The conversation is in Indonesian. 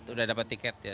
udah dapat tiket ya